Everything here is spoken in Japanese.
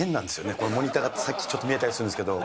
このモニターが、さっきから見えたりしてるんですけど。